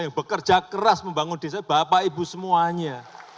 yang bekerja keras membangun desa bapak ibu semuanya